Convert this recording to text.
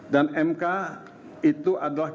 dan mk itu adalah